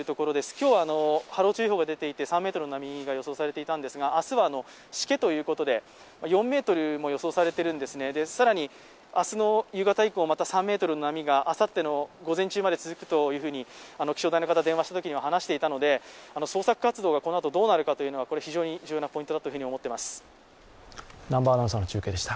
今日は波浪注意報が出ていて３ｍの波が予想されていたんですが、明日はしけということで４メートルも予測されているんですね、更に明日の夕方以降３ｍの波があさって午前中まで続くということがありますので気象台の方、電話したときに話していたので、捜索活動がどうなるのか、非常に重要なポイントだと思っています。